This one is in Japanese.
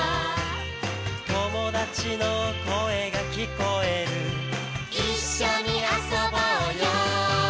「友達の声が聞こえる」「一緒に遊ぼうよ」